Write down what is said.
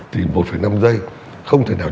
thì một năm giây không thể nào